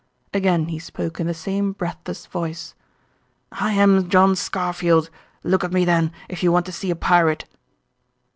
Again he spoke in the same breathless voice. "I am John Scarfield! Look at me, then, if you want to see a pirate!"